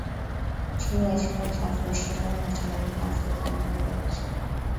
chini ya chama cha Afro Shiraz na Tanganyika afrikan umoja kitaifa